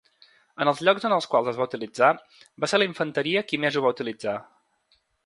En els llocs en els quals es va utilitzar, va ser la infanteria qui més ho va utilitzar.